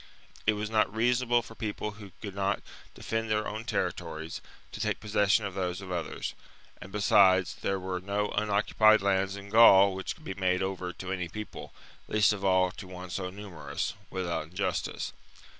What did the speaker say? It was not reasonable for land of the U Dll, people who could not defend their own terri tories to take possession of those of others ; and besides, there were no unoccupied lands in Gaul which could be made over to any people, least of all to one so numerous, without injustice.